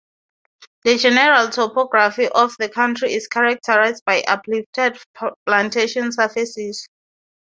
The general topography of the country is characterized by uplifted plantation surfaces.